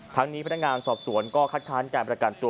ทั้งนี้พนักงานสอบสวนก็คัดค้านการประกันตัว